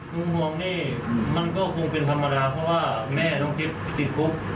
คุณมองนี่มันก็คงเป็นธรรมดาเพราะว่าแม่ต้องกิฟต์ติดคุก